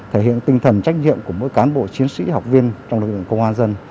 thể hiện tinh thần trách nhiệm của mỗi cán bộ chiến sĩ học viên trong lực lượng công an dân